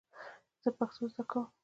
زه پښتو زده کوم .